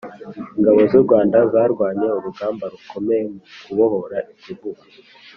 Ingabo zurwanda zarwanye urugamba rukomeye mukubohora igihugu